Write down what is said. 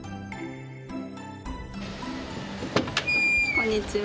こんにちは。